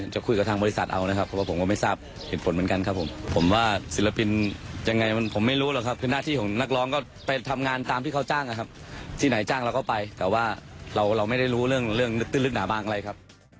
จริงเท็จยังไงอาบเคลียร์กันเลยค่ะ